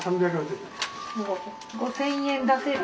５，０００円出せる？